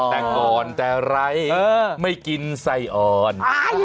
แต่อ่อนแต่ไร้ไม่กินไส้อ่อน